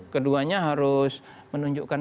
keduanya harus menunjukkan